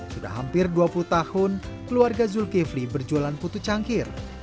sudah hampir dua puluh tahun keluarga zulkifli berjualan putu cangkir